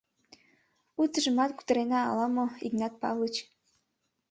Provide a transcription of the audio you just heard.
— Утыжымат кутырена ала-мо, Игнат Павлыч...